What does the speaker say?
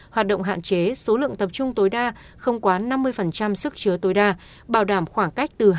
hoạt động hạn chế số lượng tập trung tối đa không quá năm mươi sức chứa tối đa bảo đảm khoảng cách từ hai mươi